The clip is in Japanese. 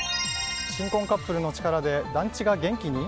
新婚カップルの力で団地が元気に？